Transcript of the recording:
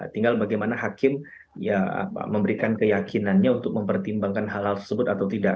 tinggal bagaimana hakim memberikan keyakinannya untuk mempertimbangkan hal hal tersebut atau tidak